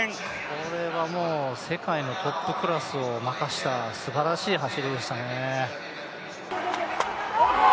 これはもう、世界のトップクラスを負かしたすばらしい走りでしたね。